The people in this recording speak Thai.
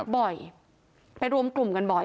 ไปรวมกลุ่มกันบ่อย